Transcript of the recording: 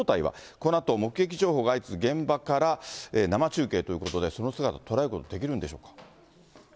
このあと目撃情報が相次ぐ現場から、生中継ということで、その姿、捉えることができるんでしょうか。